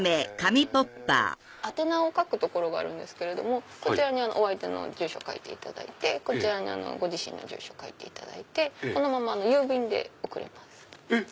宛名を書く所があるんですけどこちらにお相手の住所を書いてこちらにご自身の住所を書いていただいてこのまま郵便で送れます。